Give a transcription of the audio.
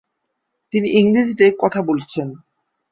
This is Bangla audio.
তিনি ইংরেজিতে কথা বলছেন।